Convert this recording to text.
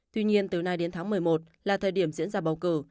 tuy nhiên từ nay đến tháng một mươi một là thời điểm diễn ra bầu cử